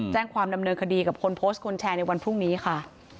แจ้งความดำเนินคดีกับคนโพสต์คนแชร์ในวันพรุ่งนี้ค่ะ